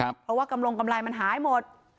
เพราะว่ากำลงกำไรมันหายหมด